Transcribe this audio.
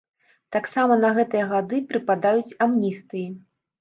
Таксама на гэтыя гады прыпадаюць амністыі.